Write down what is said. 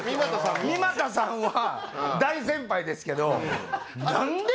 三又さんは大先輩ですけど。